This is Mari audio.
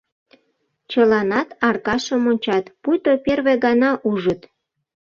Чыланат Аркашым ончат, пуйто первый гана ужыт.